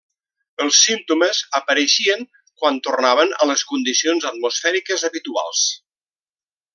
Els símptomes apareixien quan tornaven a les condicions atmosfèriques habituals.